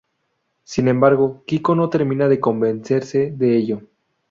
Sin embargo, Quico no termina de convencerse de ello.